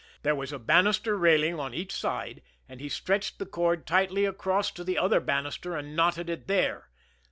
There was a bannister railing on each side, and he stretched the cord tightly across to the other bannister, and knotted it there.